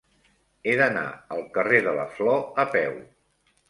He d'anar al carrer de la Flor a peu.